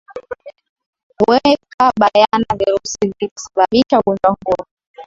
weka bayana virusi vilivyo sababisha ugonjwa huo